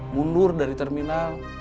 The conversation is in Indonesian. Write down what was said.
mundur dari terminal